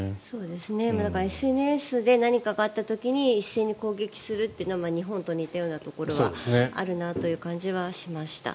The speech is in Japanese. だからＳＮＳで何かあった時に一斉に攻撃するというのは日本と似たようなところはあるなという感じはしました。